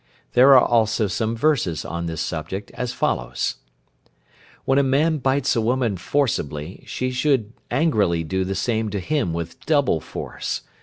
There are also some verses on this subject as follows: "When a man bites a woman forcibly, she should angrily do the same to him with double force.